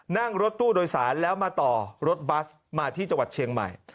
นั่งรถตู้โดยสารแล้วมาต่อรถบัสมาที่จังหวัดเชียงใหม่